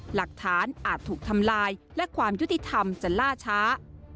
อาจถูกทำลายและความยุติธรรมจะล่าช้า